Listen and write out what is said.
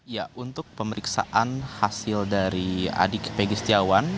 ya untuk pemeriksaan hasil dari adik pegi setiawan